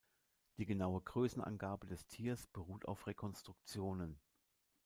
Die genaue Größenangabe des Tiers beruht auf Rekonstruktionen.